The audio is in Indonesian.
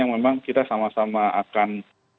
yang memang kita sama sama akan